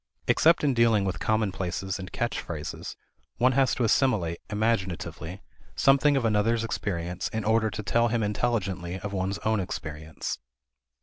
Except in dealing with commonplaces and catch phrases one has to assimilate, imaginatively, something of another's experience in order to tell him intelligently of one's own experience.